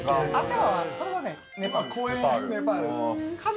これはネパールです。